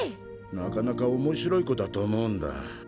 なかなか面白い子だと思うんだ。